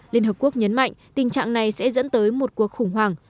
liên hợp quốc nhấn mạnh tình trạng này sẽ dẫn tới một cuộc khủng hoảng